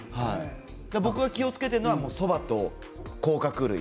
僕は気をつけてるのはそばと甲殻類。